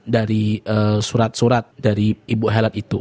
dari surat surat dari ibu helet itu